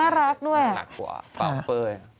น่ารักด้วย